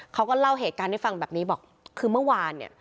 เขาก็เล่าเหตุการณ์ให้ฟังแบบนี้บอกคือเมื่อวานเนี่ย